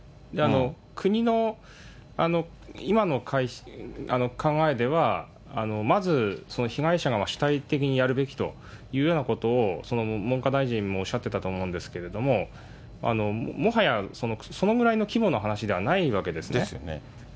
国の今の考えでは、まず、被害者が主体的にやるべきというようなことを文科大臣もおっしゃっていたと思うんですけれども、もはやそれぐらいの規模の話ではないわけですよね。